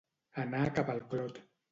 Anar cap al Clot.